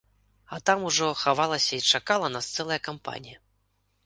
А там ужо хавалася і чакала нас цэлая кампанія.